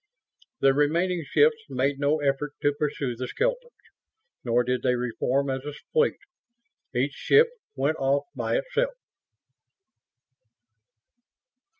The remaining ships made no effort to pursue the skeletons, nor did they re form as a fleet. Each ship went off by itself.